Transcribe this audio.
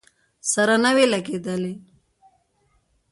سره نه وې لګېدلې.